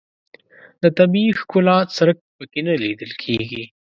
د طبیعي ښکلا څرک په کې نه لیدل کېږي.